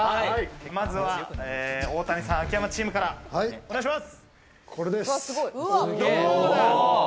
まずは、大谷さん・秋山チームからお願いします。